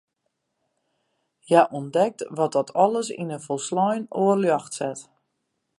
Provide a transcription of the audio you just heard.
Hja ûntdekt wat dat alles yn in folslein oar ljocht set.